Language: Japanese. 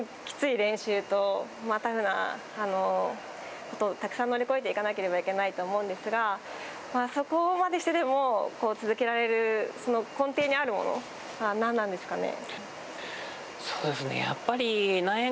継続するとそれなりにきつい練習とたくさん乗り越えていかなければいけないと思うんですがそこまでしてでも続けられるその根底にあるものは何なんなんですかね。